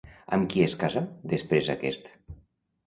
Amb qui es casà després aquest?